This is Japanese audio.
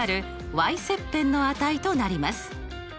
切片の値となります。